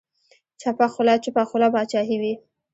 چپه خوله باچاهي وي.